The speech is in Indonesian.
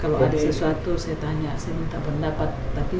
kalau ada sesuatu saya tanya saya minta pendapat